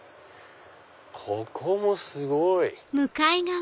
ここもすごい！